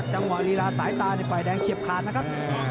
จังหวะลีลาสายตาในฝ่ายแดงเฉียบขาดนะครับ